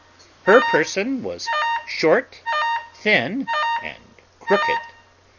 Her person was short, thin, and crooked.